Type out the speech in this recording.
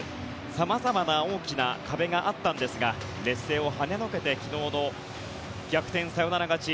様々な大きな壁があったんですが劣勢を跳ねのけて昨日の逆転サヨナラ勝ち。